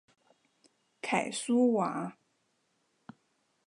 凯苏瓦。